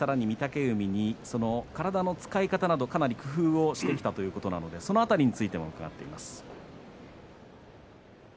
御嶽海に体の使い方などかなり工夫をしてきたということなのでその辺りも伺っています。